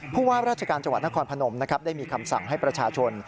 ผู้ว่าราชการจังหวัดนครพนมนะครับได้มีคำสั่งให้ประชาชน